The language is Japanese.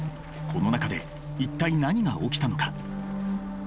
この中で一体何が起きたのか？